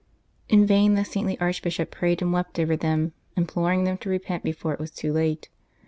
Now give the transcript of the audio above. In vain the saintly Archbishop prayed and wept over them, imploring them to repent before it was too late.